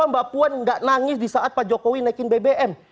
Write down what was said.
karena bu puan nggak nangis di saat pak jokowi naikin bbm